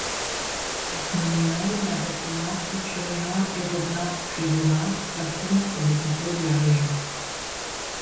Hasmonéens, Nabatéens, Ituréens, Hérodiens puis Romains s'affrontent pour le contrôle de la région.